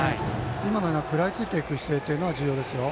今の食らいついていく姿勢は重要ですよ。